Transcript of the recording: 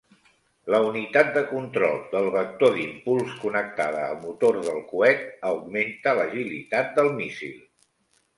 La unitat de control del vector d'impuls connectada al motor del coet augmenta l'agilitat del míssil.